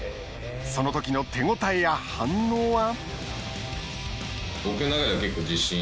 その時の手応えや反応は？